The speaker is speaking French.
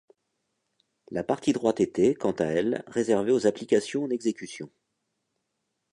La partie droite était, quant à elle, réservée aux applications en exécution.